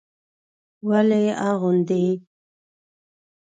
ولې يې اغوندي.